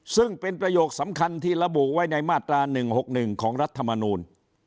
ซึ่งเป็นประโยคสำคัญที่ระบุไว้ในมาตรา๑๖๑ของรัฐมนูล